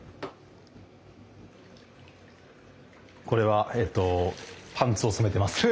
これはえっとパンツを染めてます。